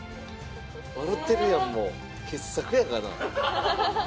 笑うてるやんもう傑作やがな。